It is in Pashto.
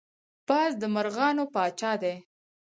باز د مرغانو پاچا دی